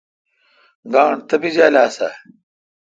گانٹھ تپیجال آسہ۔؟